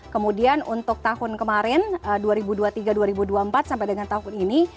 kemudian untuk tahun kemarin dua ribu dua puluh tiga dua ribu dua puluh empat sampai dengan tahun ini